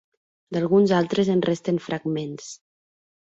D'alguns altres en resten fragments.